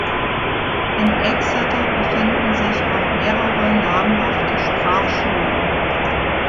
In Exeter befinden sich auch mehrere namhafte Sprachschulen.